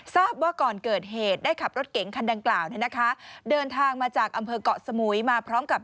ทีต้องพิจารณา